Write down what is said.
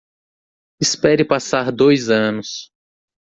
Espere passar dois anos